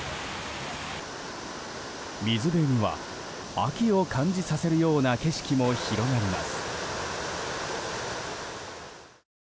水辺には秋を感じさせるような景色も広がります。